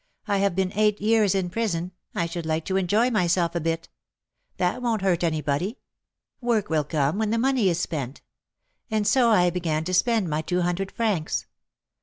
I have been eight years in prison, I should like to enjoy myself a bit, that won't hurt anybody; work will come when the money is spent.' And so I began to spend my two hundred francs.